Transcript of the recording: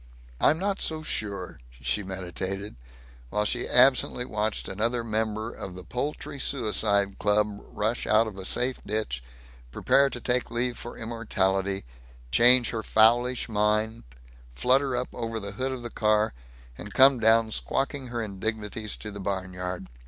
"I'm not so sure," she meditated, while she absently watched another member of the Poultry Suicide Club rush out of a safe ditch, prepare to take leave for immortality, change her fowlish mind, flutter up over the hood of the car, and come down squawking her indignities to the barnyard.